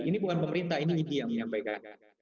ini bukan pemerintah ini itu yang menyampaikan